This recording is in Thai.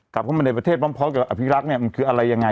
กลับเข้ามาในประเทศพร้อมกับอภิรักษ์เนี่ยมันคืออะไรยังไง